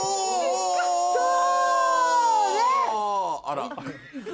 あら。